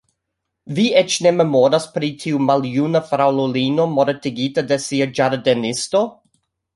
Vi eĉ ne memoras pri tiu maljuna fraŭlino mortigita de sia ĝardenisto.